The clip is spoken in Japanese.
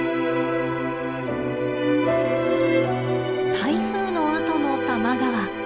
台風のあとの多摩川。